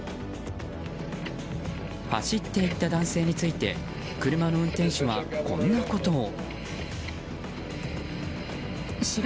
走っていった男性について車の運転手は、こんなことを。